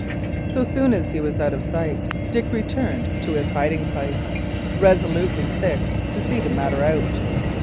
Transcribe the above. So soon as he was out of sight, Dick returned to his hiding place, resolutely fixed to see the matter out.